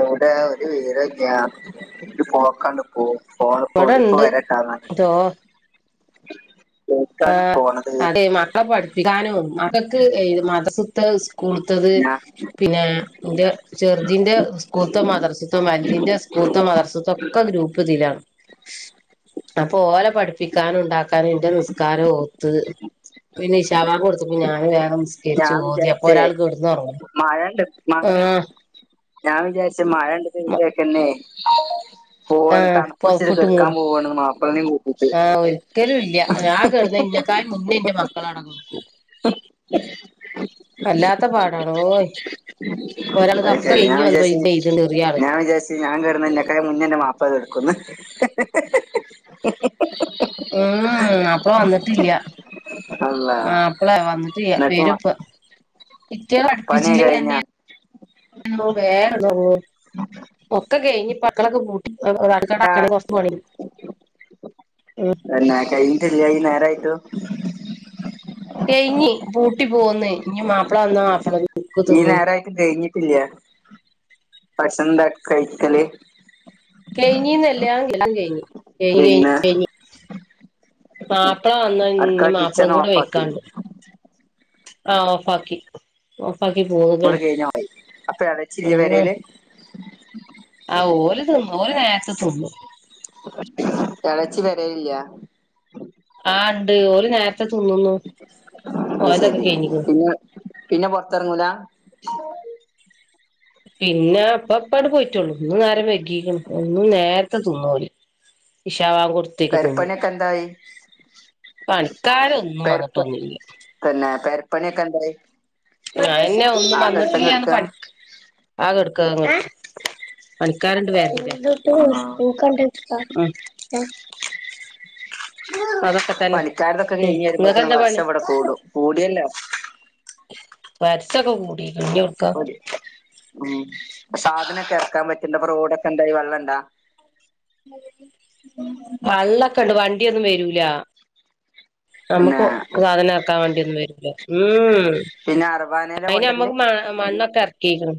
എവിടെ ഒരു വിവരോല്ല ഒരു പോക്കാാണ് പോ പോ പോ ഇപ്പൊ ഇവിടെണ്ട് വരട്ടാന്ന് ചോ പറഞ്ഞിട്ട് ആ എവിടേക്കാണ് പോണത് അതെ മക്കളെ പഠിപ്പിക്കാനും മക്കൾക്ക് മദൃസ്ത്തെ സ്കൂളത്ത ഞാ പിന്നെന്റെ ചെറുദീന്റെ സ്കൂൾത്തെ മതർസിത്തെ വലുത്തിൻ്റെ സ്കൂൾത്തെ മദർസിത്തെ തൊക്ക ഗ്രൂപ്പ്തില അപ്പൊ ഓലെ പഠിപ്പിക്കാനും ഉണ്ടാക്കാനും എന്റെ നിസ്കാരം ഓത്ത് പിന്നെ ഇശാബാ കൊടുത്തപ്പോ ഞൻ വേറെ നിസ്കരിച്ചു ഞാൻ ഓതി അപ്പൊ വിചാരിച്ചേ ഒരാൾ കേടന്ന്റങ്ങ മഴണ്ട് മഴ ഞാൻ വിചാരിച്ച മഴണ്ട്ന്ന് ഇവിടേക്കെന്നെ ആ പോവണം തണുപ്പിടിച്ചിട്ട് പൊതപ്പിട്ട് കെടക്കാൻ മൂടി പൂവാണ് മാപ്പിളിനേം കൂട്ടി ഇ ഹു ഹു ഹു. നിനക്കായ് മുന്നേ എൻറെ മക്കൾ [unintelligible] വല്ലാത്ത പാടാണ് ഓയി [unintelligible] ഞാൻ വിചാരിച്ച് ചെറിയ ആള് ഞാൻ വിചാച്ചു ഞാൻ കെടെന്ന് ന്നേക്കാ [unintelligible] വാപ്പ കെടക്കുന്നു ഉം അപ്പ വന്നിട്ടില്യ അള്ളാ വന്നിട്ട് ചെയ്യ വെരുമ്മിപ്പോ ഇറ്റ പണിയൊക്കെ കഴിഞ്ഞ കഠപ്പിച്ചില്ലെയെന്നെ ഒക്കെ കഴിഞ്ഞഞ്പ്പ അക്കളൊക്കെ പൂട്ടി [unintelligible] ഉം എന്നാ കഴിഞ്ഞിട്ടില്ലേ ഈ നേരായിട്ടു കൈനി പൂട്ടി പോന്ന് ഇനി മാപ്പിള വന്നാ [unintelligible] ഈ തിന്നും നേരായിട്ട് കഴിഞ്ഞിട്ടില്ല പക്ഷെന്താ കഴിക്കല് കഴിഞ്ഞിനല പിന്നെ [unintelligible] മാപ്പിള വന്നാ അടുക്കള ഇനി മാപ്പിള കിച്ചൺ കൂടെ ഓഫാക്കി വെയിക്കാനിണ്ട് ആ ഓഫാക്കി ഓഫ് അപ്പാക്കി പോക ഇങ്ങോട്ട് കഴിഞ്ഞ പോയി അപ്പൊ ഇളച്ചില്ല മ്മ് വരയില് ആ ഓര് തിന്നു ഓര് നേരത്തെ തിന്നു എളെച്ചി വരെയില്ല ആ ണ്ട് ഓര് നേരത്തെ തിന്നുന്നു ഓലതൊക്കെ അതുശേരി കഴിഞ്ഞിക്ക്ണ് പിന്നെ പിന്നെ പൊറത്തിറങ്ങൂല പിന്നെ അപ്പ അപ്പാട് പോയിട്ടുള്ളൂ ഇന്നു നേരംവെഗീക്കണ് ഇന്നു നേരത്തെ തിന്നോര് ഇഷാ വാ [unintelligible] തിന്നു പെരപ്പണിയൊക്കെ എന്തായി പണിക്കാരൊന്നും വന്നിട്ടൊന്നുല്ല്യ പണിയൊക്കെന്തായി അയന്നെ ഒന്നും വന്നിട്ടില്ല്യന്ന് പണി അ [unintelligible] കൊടുക്കങ്ങട്ട് പണിക്കാര്ണ്ട് ആ വരണ്ടെ [inaudible] അതൊക്കെ തന്നെ പണിക്കാരതൊക്കെ ഉം കഴിഞ്ഞ് ഇങ്ങക്ക് വരുമ്പോഴത്തേനും എന്താ പണി വർഷം ഇവിടെ കൂടും കൂടിയല്ലോ വര്സൊക്കെ കൂടിക്കണ് ഞ്ഞിഒട്ക്കാ ഒരു ഉം പ്പ സാധനൊക്കെ എറക്കാൻ പറ്റ്ണ്ടാ അപ്പൊ റോഡൊക്കെ ന്തായി വെള്ള്ണ്ടാ വള്ളക്കെണ്ട് വണ്ടിയൊന്നും വരൂല പിന്നെ നമുക്കൊ സാധനം എറക്കാൻ വണ്ടിയൊന്നും വരൂല്ല ഉം പിന്നാരോ അയിന് മ്മക്ക് മ മണ്ണൊക്കെ എറക്കീക്ക്ണ്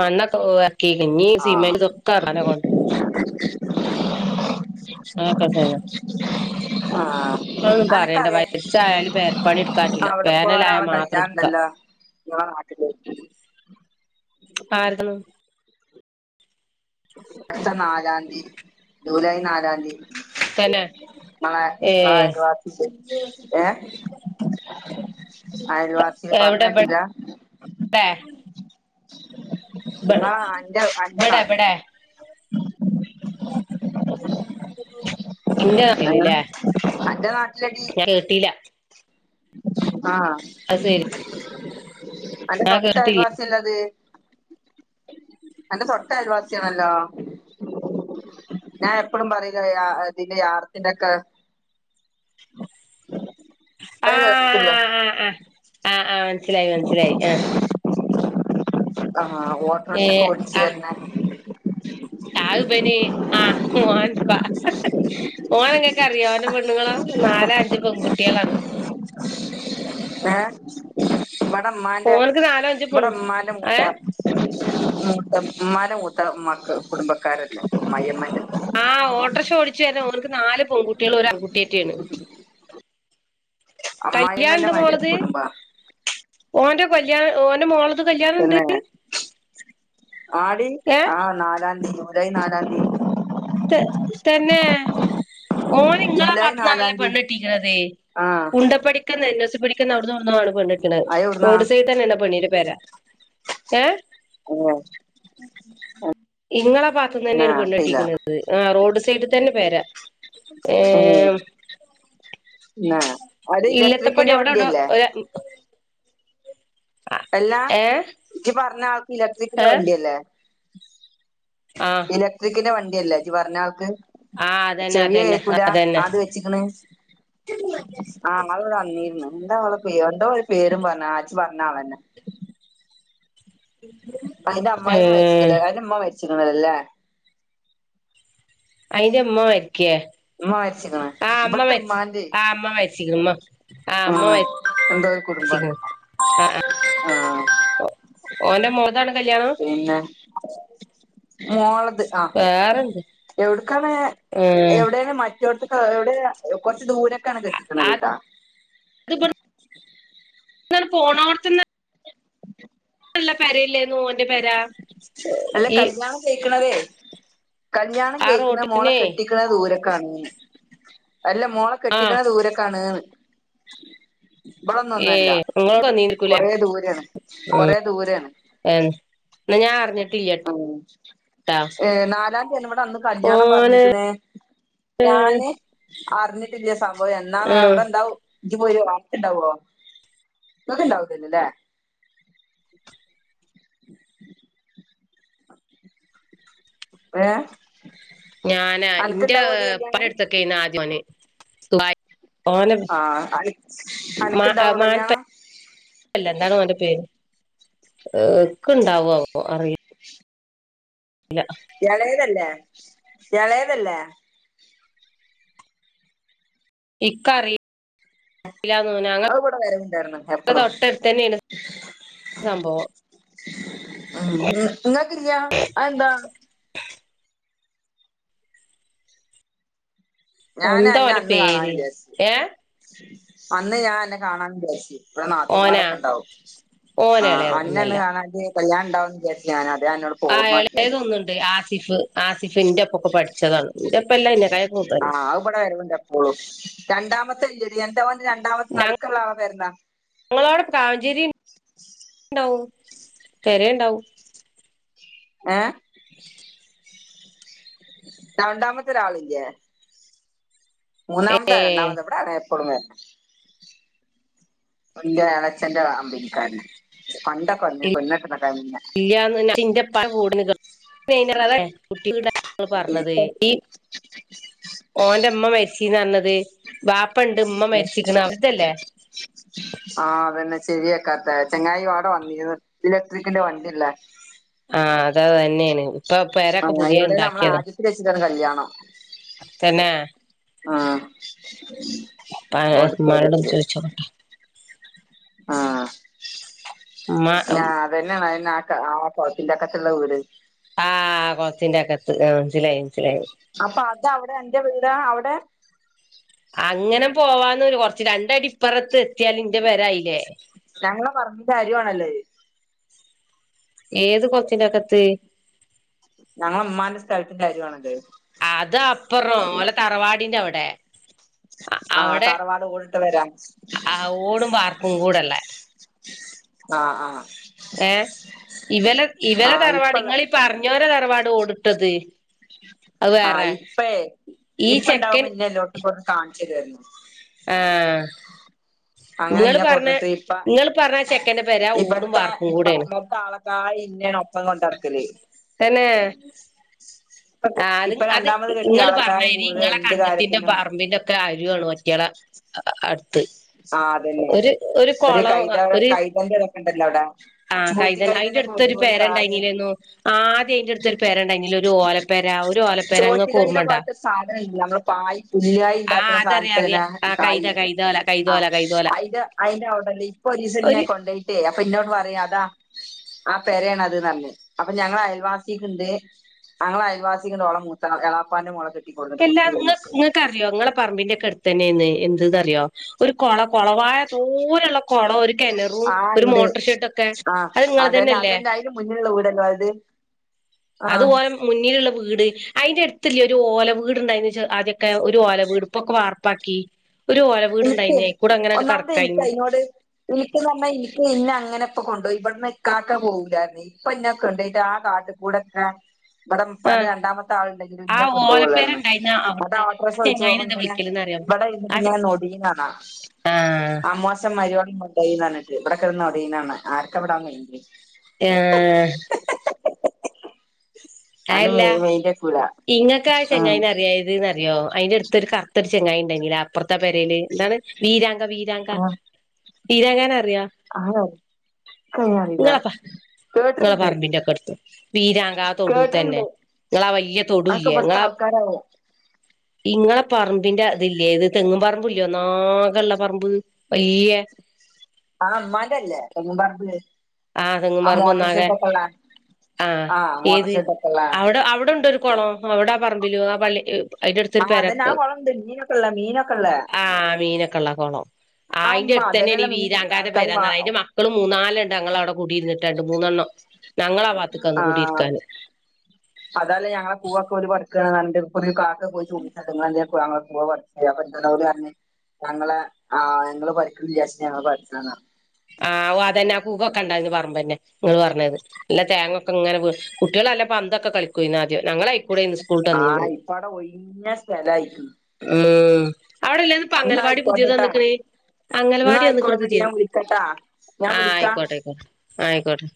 മണ്ണൊക്കെ ഇറക്കിക്ക്ണ് ഇഞ്ഞി ആ [unintelligible] സിമെന്റ് ഇതൊക്കെ ഇറക്കാനാ കൊണ്ടരാ അതൊക്കെ തന്നെ ആ അതൊന്നും പറയണ്ട അനക്കറിയ വയസ്സായാലും പെരപ്പണി എടുക്കാൻ പറ്റൂല അവടെപ്പോ വേനലായ ഒരാളെ മാത്രം എടുക്കാ കല്ല്യാണണ്ടല്ലാ ഇങ്ങളെ നാട്ടില് ആരതണ് സ നാലാന്തി ജൂലൈ നാലാന്തി തന്നെ ങ്ങളെ ഏ ങ്ങളെ അയൽവാസിന്റെ ഏ അയൽവാസി പറഞ്ഞേട്ടിലാ എ നിങ്ങളാ അന്റെ അന്റെ ഇബടെ നാട്ടില് ഇബടെ [unintelligible] ഇന്റെ ഏ നാട്ടില്ല്ലേ അന്റെ നാട്ടിലടി ഞാൻ കേട്ടില്ല ആ അത് ശരി അന്റെ ഞാൻ കേട്ടില്ല തോട്ടയൽവാസില്ലത് അന്റെ തൊട്ട അയൽവാസിയാണല്ലോ ഞാൻ എപ്പഴും [unintelligible] ഇതിന്റെ യാറത്തിന്റെക്കെ ആ ആ ആ ആ [unintelligible] ആ മനസ്സിലായി മനസ്സിലായി ആ ആ ഏ ഓട്ടർശൊക്കെ ഓടിച്ചു വര്നെ ആഹ്ബന് ആ മോൻപ ഓനങ്ങക്കറിയോ ഓന്റെ പെണ്ണുങ്ങ നാല അഞ്ച് പെൺകുട്ട്യാളാണ് എ ഇവെടെമ്മാന്റെ ഓനക്ക് നാലോ അഞ്ചോ പെൺ ഇവെടെമ്മാന്റെ ഏ മൂത്താപ്പ മ്മാന്റെ മൂത്ത മക്കൾ കുടുംബക്കാരല്ലേ മ്മായിമ്മന്റെ ആ ഓട്ടർഷ ഓടിച്ചു വര്ന ഓന്ക്ക് നാല് പെൺകുട്ട്യാളും ഒരു ആൺകുട്ടിറ്റെണ് അമ്മായിയമ്മന്റെ കല്ല്യാണ്ട് മാര് മോളത് കുടുംബാ ഓന്റെ കല്യാണ ഓന്റെ മോളത് കല്യാണണ്ട് പിന്നെ ആടി ആ നാലാംതി ജൂലൈ നാലാംതി ത തന്നെ ഓന് ഇങ്ങളെ ജൂലൈ നാലാം ബാത്ത്ന്നാണല്ലേ തീയതി പെണ്ണട്ടീക്ക്ത് ആ കുണ്ട പഠിക്കന്ന് പടിക്കന്നോ അഉട്ന്നൊട്ന്നോ ആണ് പെണ്ണട്ട്ണ് അത് എവിടുന്നാ റോഡ് സൈഡിതന്നെല്ലേ പെണ്ണിന്റെ പെര എ തന്നെ ഇങ്ങളെ ന്നാ ബാത്ത്ന്നന്നെണ് അറിയില്ല പെണ്ണെട്ടീക്ക് ണെ ആ റോഡ് സൈഡ് തന്നെ പെര ഏ ന്നാ അത് ഇല്ലത്തപ്പടി ഇലക്ട്രിക്കിന്റെ അവ്ടെവ്ടോ വണ്ടിയല്ലേ ഒര എല്ലാ ഏ ഇജ് പറഞ്ഞ ആൾക്ക് ഇലക്ട്രിക്ക് ന്റെ ഏ വണ്ടി അല്ലേ ആ ഇലക്ട്രിക്കിന്റെ വണ്ടിയല്ലേ ഇജ് പറഞ്ഞ ആൾക്ക് ആ അതന്നെ ചെവിയ അതന്നെ കേക്കൂല അതന്നെ ആത് വെച്ചിക്കണ് ആ [unintelligible] എന്താ ഓളെ പേര് എന്തോ ഒര് പേരും പറഞു ആ ജ് പറഞ്ഞാളെന്നെ അയിന്റെ ഏ അമ്മായിമ്മ മരിച്ക്ക്ലേ അയിന്റെ ഇമ്മ മരിച്ക്ക്ണല്ലേലെ അയിന്റെ ഇമ്മ മരിക്കെ ഉമ്മ മരിച്ചിക്കണ് ആ ഇമ്മ ഇവിടുത്തെ മര്ച്ച് ആ ഇമ്മ മരിച്ക്ക്ണ് ഇമ്മ ആ എന്തോരു കുടുംബാണ് ആ ആ ആ ഓന്റെ മോളതാണ് കല്യാ പിന്നെ മോളത് ആ വേറെന്ത് എവിട്ക്കാണ് ഏ എവടേണ് മറ്റ് റ്റോടത്ത്ക്കാ എവിടേയാ കൊറച്ച് ദൂരെക്കാണ് കെട്ടിക്ക്ണത് അത് ട്ടാ ന്നാട് പോണോടത്ത്ന്ന് നല്ല പെരയല്ലേർന്നു ഓൻ്റെ പെരാ അല്ല കല്ല്യാണം കയിക്ക്ണതേ കല്ല്യാണം ആ കെയിക്കുന്ന മോള റോട്ടിനെ കെട്ടിക്ക്ണത് ദൂരെക്കാണ് ന്ന് അല്ല മോളെ ആ കെട്ടിക്ക്ണ ദൂരക്കാണ് ന്ന് ഏ ഇവടൊന്നൊന്നല്ല ഇങ്ങള് വന്നീനിക്കൂലേ കൊറേ ദൂരേണ് കൊറേ ദൂരേണ് എൻ ന്ന ഞാ അറിഞ്ഞിട്ട് ആ ഏ നാലാംതിയാണ് ഇവിടന്ന് കല്യാണം ഓന് പറഞ്ഞിക്ക്ണേ ഞാന് അറിഞ്ഞിട്ടില്ല്യ സംഭവം എന്നാന്ന് ഉം അവിടെ ഇണ്ടാവും ഇജ്ജ് പോരുവോ ഇണ്ടാവോ [unintelligible] ഇണ്ടാവൂലേനല്ലേ ഏ ഞാനാ അനക്ക് ഇന്റെ ഇണ്ടാവോടി പല കല്യാണം എടത്തൊക്കേയിര്ന്ന് ആദ്യം ഓന് ദുബായ് ആ അനക് അനക്ക്ണ്ടാവോ കല്ല്യാണം അല്ല എന്താണ് ഓന്റെ പേര് അ് ക്ക്ണ്ടാവോ ആവോ അറിയി എളയതല്ലേ എളയതല്ലേ ഇക്കറിയ് യില്ലാന്നോന്നു ഞാങ്ങൾ അത് ഇവിടെ വരവുണ്ടായിരുന്നു വര എപ്പളും തൊട്ടടുത്തന്നേണ് സംഭവം ഉം ഇങ്ങ് ഇങ്ങക്കില്ല്യാ അയെന്താ ഞാന് എന്താ അന്ന ഓന്റെ അന്ന് കാണാൻ പേര് വിചാരിച്ച് ഏ അന്ന് ഞാൻ അന്നെ കാണാൻ വിചാരിച്ച് ഇവടെ ഓനാ നാത്തൂൻമാരൊക്കെണ്ടാവും ആ ഓന് അന്നന്ന് എളേതൊന്നല്ല കാണാരുതി കല്യാണണ്ടാവുന്ന് വിചാരിച്ച് ഞാനാദ് ആ എളേതൊന്ന്ണ്ട് ആസിഫ് ആസിഫ് ഇന്റെപ്പൊക്കൊ പഠിച്ചതാണ് ഇന്റെപ്പല്ല ഇൻ്റെ തായേ ആ അ ഇവടെ വരവ്ണ്ട് എപ്പോളും രണ്ടാമത്തെയില്ലടീ എന്താ ഓൻ രണ്ടാമത് നടുക്ക്ള്ളാള പേരെന്താ കാവുഞ്ചേരി ഇണ് ണ്ടാവും തെരേണ്ടാവും ഏ രണ്ടാമത്തെ ഒരാളില്ല്യേ ഏ മൂന്നാമത്തേ രണ്ടാമത്തെ ഇവടെയാണേ എപ്പളും വരണ് എന്റെ എളയച്ഛന്റെ അ കമ്പിനിക്കാരന പണ്ടൊക്കെ വന്ന് പെണ്ണ് കെട്ടണ ഇല്ല്യാന്ന് [unintelligible] ഇന്റെ ഇപ്പാടെ കൂടെ നിക്ക് [unintelligible] കുട്ടി വീട ങ്ങള് പറഞ്ഞത് ഇപ്പൊ ഈ ഓന്റ ഉമ്മ മരിച്ചീന്നറഞ്ഞത് വാപ്പണ്ട് ഉമ്മ മരിച്ചിക്ക്ണ് അവരെതല്ലേ കറ്ത്ത ചെങ്ങായി ഇവാട വന്നീര്ന്നു ഇലക്ട്രിക്കിന്റെ വണ്ടിള്ള ആ അതതന്നേണ് ഇപ്പ പെരെയൊക്കെ ആഹ് പുതിയേ എവിടെ നമ്മളെ ഇണ്ടാക്കിയതാ ആദ്യത്തിൽ വെച്ചിട്ടാണ് കല്യാണം തന്നേ ആ പാ ഉമ്മനോടൊന്ന് ഓഡിറ്റോറിയത്തില് ചോയിച്ചോക്കട്ടെ ആ ഉമ്മ ഞാ അതന്നേണയന്നെ ആട്ട് ആ കുളത്തിന്റക്കത്ത്ള്ള ഊര് ആ കൊളത്തിന്റകത്ത് ആ മൻസിലായി മൻസിലായി അപ്പതവിടെ അന്റ വീടാ അവടെ അങ്ങന പോവാന്നൊരു കൊറച്ച് രണ്ടടിപ്പറത്ത് എത്തിയാലിന്റ പെരായീല്ലേ ഞങ്ങള പറമ്പിൻ്റരുവാണല്ലോ അഅ് ഏത് കൊച്ചിലൊക്കത്ത് ഞങ്ങളെ മ്മാന്റെ സ്ഥലത്തിന്റെ അരുവാണത്. അത് അപ്പുറം ഓലെ തറവാടിന്റെ അവിടെ. ആ അവിടെ തറവാട് ഓടിട്ട് വരാം ഓടും പാർക്കും കൂടള്ളേ. ആ ആ ഏ ഇവല ഇവല ആ തറവാട് ഇപ്പള്ള ഇങ്ങളീ പറഞ്ഞോരെ തറവാട് ഓടുട്ടത്. ആ ഇപ്പേ ഈ ചെക്കൻ ഇപ്പണ്ടാവുമന്നെ ല്ലോട്തുക്കും ഒകെ കാണിച്ചു തരുവായിരുന്നു. ആ അങ്ങനെ ഇന്നേ കൊടുന്നിട്ട് ഇപ്പ പറഞ്ഞ ചെക്കന്റെ പെര ഓടും ഇവടത്തെ വാർപ്പും ഇപ്പ കൂടെയാണ് ഇവ്ടത്തെ ആളക്കായിം ന്നെയാണ് ഒപ്പം കൊണ്ടറക്കല്. തന്നെ ആ അത് ഇപ്പൊ അത് രണ്ടാമത് കെട്ടിയ ഇങ്ങല് ആളക്കായും പറഞ്ഞായിരി കൂടുതൽ ഇങ്ങളെ എന്ത് കണ്ടത്തിന്റെ കാര്യത്തിനും പറമ്പിന്റെ ഒക്കെ ആയി മറ്റയാളെ [inaudible] ആ അതന്നെ ഒരു ഒരു കൊളം കൈത കൈതന്റെ ഇതൊക്കെണ്ടല്ലോ അവിടെ. ആ ചൂറ്റി കൈതൻ അയിന്റെ കൈതന്റെ അടുത്തൊരു ഒക്കെ ഒരു കാല് പെരണ്ടായിലേന്നോ ആദ്യം അയിന്റെ അടുത്തൊരു പെരണ്ടായിന്നിലേ ഒരു ഓലപ്പ ഒര് ഓലപ്പെര ചോറ്റ് ഇങ്ങക്ക് കൈത ഓർമണ്ടോ പോലത്തെ സാധനം ഇല്ല നമ്മള് പായ് പുല്ലായി ആ ഉണ്ടാക്കുന്ന അതറിയ അറിയ സാധനത്തിന ആ കായ് കൈതാ കൈത ഓല ആ അയിന്റെ അയിന്റെ അവിടല്ലേ ഇപ്പൊരീസം ന്നെ ഒരു കൊണ്ടോയിട്ടേയ് അപ്പൊ ഇന്നോട് പറയാ അതാ ആ പെരയാണ് അത് ന്നറഞ്ഞ് അപ്പൊ ഞങ്ങളെ അയൽവാസിക്ക്ണ്ട് ഞങ്ങളെ അൽവാസികളോളെ മൂത്ത എളാപ്പാന്റെ മോളെ കെട്ടി ക്കെല്ലാം ങ്ങക്ക് ങ്ങക്ക്റിയോ ങ്ങളെ പറമ്പിന്റെ ഒക്കെ അടുത്തന്നെന്നുവെയ് എന്ത്‌ന്നറിയോ ഒരു കൊള കോളവായ തോനെള്ള കൊളം ഒരു കെണറും ആ ഒരു ഇണ്ട് മോട്ടർ ഷെഡ്ടൊക്കെ ആ അത് അതന്നെ ങ്ങളെതന്നെല്ലേ? അതന്നെ [unintelligible] ആ അതുപോലെ മുന്നിലുള്ള വീട് അയിന്റെ അടുത് ത്തില്ലൊരു ഓല വീട്ണ്ടായിന്ന് വെച്ച് ആദ്യോക്കെ ഒരു ഓല വീട് പ്പൊക്കെ വാർപ്പാക്കി. ഒരു ഓല വീടുണ്ടായിന്ന് എനിക്കെയ് അയിക്കൂടെ അങ്ങനാണ്ട് ഒന്നാമത് എനിക്ക് കടക്കായിന്ന് അയിനോട് എനിക്ക്ന്നറഞ്ഞ എനിക്ക് ഇന്നെ അങ്ങനെ ഇപ്പൊ കൊണ്ടോയി. ഇവിടന്ന് ഇക്കാക്ക പോവൂല്ലാരുന്നു. ഇപ്പൊ ഇന്നൊക്കെ കൊണ്ടോയിട്ട് ആ കാട്ടിൽ കൂടെഓക്കെ ബടെ പ്പാന്റെ ആഹ് രണ്ടാമത്തെ ആളുണ്ടെങ്കിലും ആ ഇഞ്ഞെ കൊണ്ടോകൊള്ളായിരുന്നു. ഓലപ്പേരണ്ടായിന്ന അത അവിടുത്തെ ആട്രോഷ ആ വിളിച്ചു ചെങ്ങായിനെ പോമ്പോ എന്താ ഇങ്ങനെ വിളിക്കല്ന്നറിയോ ഇവിടെ ആ ചെ ഇിരിന്ന്ട്ട്ങ്ങെനെ നൊടീണാണ ആഹ് അമ്മോശം മരോളീം കൊണ്ടോയിന്നറഞ്ഞിട്ട് ഇവിടെ കിടന്ന് ഒടിണാണ ആർക്കെവിടെ മൈൻഡ്. ഏഹ് ആരും മ അയല്ല മെയിൻന്റെകൂല. ഇങ്ങക്ക് ആ ചങ്ങായിന്നെറിയോ ഏത് ന്നറിയോ അയിന്റെടുത്തൊരു കറുത്തരു ചങ്ങായിണ്ടായിനിലെ അപ്പറത്തെ പെരേല്. എന്താണ് വീരാങ്ക വീരാങ്ക വീരാങ്കനെ അറി ആരാവോ ഇക്കെങ്ങനെ അറീണ്. നിങ്ങളെ പറമ്പിന്റെക്കെ അടുത്തു വീരാങ്ക ആ തൊടു തന്നെ കേട്ടിട്ടുണ്ട് നിങ്ങളെ വലിയ തൊ അതൊക്കെ പിട്തെ ആൾക്കാരാവോ? ഇങ്ങളെ പറമ്പിന്റെ അതില്ലേ ഇത് തെങ്ങും പറമ്പ് മ്പില്ലോ ഒന്നാകള്ള പറമ്പ് വയ്യ ആഹ് മ്മന്റല്ലേ തെങ്ങുംപറമ്പ്. ആ തെങ് പറമ്പ് മോട്ടർ ഒന്നാകെ ഷെഡ് ഒക്കെ ഉള്ള ആഹ് ആ മോട്ടർ ഏത് ഷെഡ് ഒക്കെ ഉള്ള അവിടെ അവിടെണ്ടൊരു കൊളോ അവിടാ പറമ്പിലു ആ പള്ളി എ അയിന്റെ ആ അടുത്തൊരു അതന്നെ ആ പെരക്ക് കുളണ്ട് മീനൊക്കെ ഉള്ള മീനൊക്കെ ഉള്ള ആഹ് മീനൊക്കെള്ള ആ കൊളം. ആ അയിന്റെ ഇമ്മ അടുത്തെന്നെണ് അതന്നെല്ല ഈ മീൻ വീരാങ്കാന്റെ ആൾക്കാർ പെരന്ന അയിന്റെ മക്കളും മൂന്നാലുണ്ട് അങ്ങ അവിടെ കൂടിരുന്നിട്ട് രണ്ട് മൂന്നെണ്ണം. ഞങ്ങളാ ഭാഗത്ത്ക്കാന്ന് ആഹ് കൂടിയിരിക്കാന് അതല്ലേ ഞങ്ങളെ പൂവൊക്കെ ഒരു [unintelligible] കാട്ട് ഒരു കാക്ക. [unintelligible] ങ്ങളെന്തിനാ ഞങ്ങളെ പൂവ് പറിച്ചില്ലോ അപ്പൊ അവര് പറഞ്ഞ് ഞങ്ങളെ ആ ങ്ങള് പറിക്ക്ണില്ലാച്ചിട്ട് ഞങ്ങള് പറിച്ചതാന്ന് പറഞ്ഞു. ആ ഓ അതന്നെ ആ പൂകൊക്കെ ഉണ്ടായിന്ന് പറമ്പന്നെ ങ്ങള് പറഞ്ഞത് നല്ല തേങ്ങൊക്കെങ്ങനെ വീ കുട്ടികള പന്തൊക്കെ കളിക്കുവായിന്നു ആദ്യം ഞങ്ങളയ് ആഹ ഇപ്പ അവിടെ ഒഴിഞ്ഞ സ്ഥലായിക്ക്ണ്. ഉം അവിടെലെന്നു ഇപ്പ എന്നാ അംഗലവാടി പുതിയത് ആയിക്കോട്ടെട്ടാ വന്ന്ക്ക്ണ് എന്നാ അംഗലവാടി വന്ന് ക്ക്ണ് ആയിക്കോട്ടെടി പുതിയത്. ഞാൻ വിളിക്കട്ടാ ഞാൻ ആഹ വിളിക്കാം ആയിക്കോട്ടെ ആയിക്കോട്ടെ ആ ആയിക്കോട്ടെ.